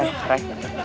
ini mau taruh di sini